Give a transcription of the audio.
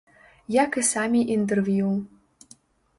Як і самі інтэрв'ю.